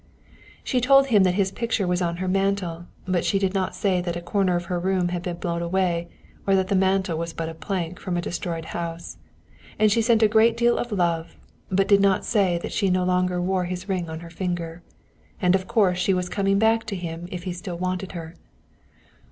She told him that his picture was on her mantel, but she did not say that a corner of her room had been blown away or that the mantel was but a plank from a destroyed house. And she sent a great deal of love, but she did not say that she no longer wore his ring on her finger. And, of course, she was coming back to him if he still wanted her.